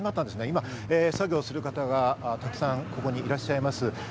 今、作業をする方がたくさんここにいらっしゃいます。